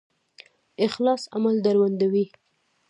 اخلاص عمل دروندوي